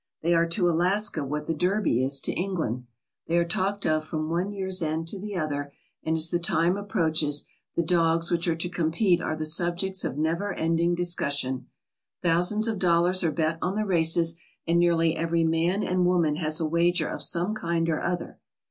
They are to Alaska what the Derby is to England. They are talked of from one year's end to the other and as the time approaches, the dogs which are to compete are the subjects of never ending discussion. Thousands of dollars are bet on the races and nearly every man and woman has a wager of some kind or other.